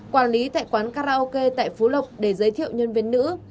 quản lý tại quán karaoke tại phú lộc để giới thiệu nhân viên nữ